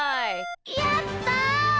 やった！